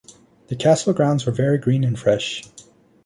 The Castle grounds were very green and fresh.